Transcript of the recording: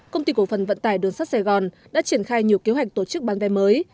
công ty cổ phần vận tải đường sắt sài gòn đã triển khai nhiều kế hoạch tổ chức bán vé mới